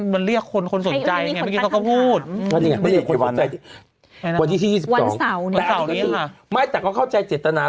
มันเรียกคนคนสวนใจ